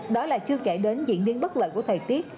đó là chưa kể đến diễn biến bất lợi của thời tiết